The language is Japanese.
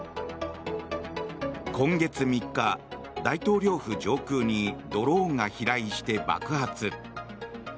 今月３日、大統領府上空にドローンが飛来して爆発。